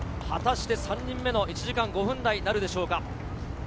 果たして３人目の１時間５分台になるでしょうか。